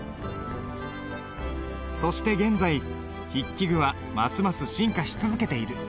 そして現在筆記具はますます進化し続けている。